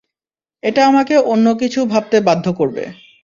এটা আমাকে অন্যকিছু ভাবতে বাধ্য করবে।